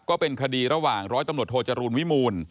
ก็เป็นคดีระหว่างร้อยตำรวจโทจรูลวิมูล